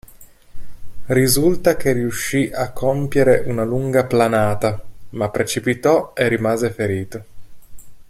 Risulta che riuscì a compiere una lunga planata, ma precipitò e rimase ferito.